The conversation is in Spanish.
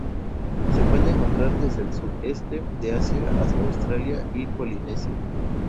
Se puede encontrar desde el sudeste de Asia hasta Australia y Polinesia.